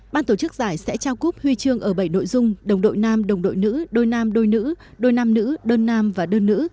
ban tổ chức giải sẽ trao cúp huy chương ở bảy nội dung đồng đội nam đồng đội nữ đôi nam đôi nữ đôi nam nữ đơn nam và đơn nữ